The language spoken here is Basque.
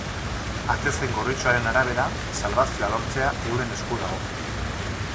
Atezain gorritxoaren arabera salbazioa lortzea euren esku dago.